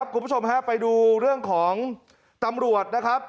คุณผู้ชมฮะไปดูเรื่องของตำรวจนะครับ